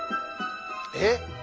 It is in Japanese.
えっ？